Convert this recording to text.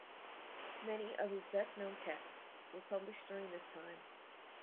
Many of his best known texts were published during this time.